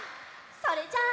それじゃあ。